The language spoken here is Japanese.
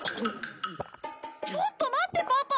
ちょっと待ってパパ！